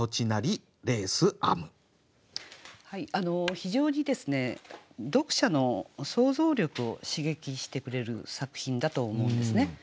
非常に読者の想像力を刺激してくれる作品だと思うんですね。